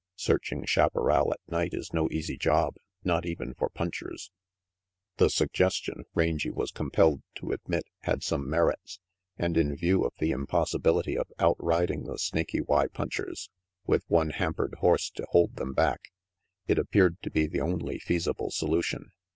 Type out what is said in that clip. Searching chaparral at night is no easy job, not even for punchers." The suggestion, Rangy was compelled to admit, had some merits, and in view of the impossibility of outriding the Snaky Y punchers with one hampered horse to hold them back, it appeared to be the only feasible solution.